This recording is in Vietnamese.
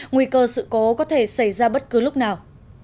nguy cơ sự cố có thể xảy ra bất cứ lúc nào